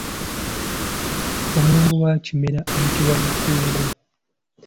Omulongo wa Kimera ayitibwa Lukungo.